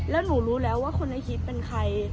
แล้วหนูรู้แล้วว่าคนในคลิปเป็นใคร